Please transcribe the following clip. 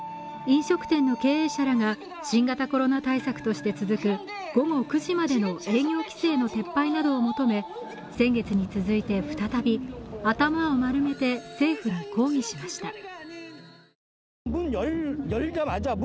飲食店の経営者らが新型コロナ対策として続く午後９時までの営業規制の撤廃などを求め先月に続いて再び、頭を丸めて政府に抗議しました。